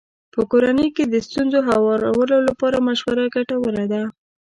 په کورنۍ کې د ستونزو هوارولو لپاره مشوره ګټوره ده.